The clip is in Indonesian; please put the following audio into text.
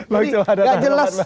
jadi gak jelas